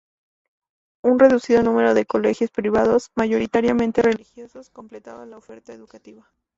Un reducido número de colegios privados, mayoritariamente religiosos, completaban la oferta educativa.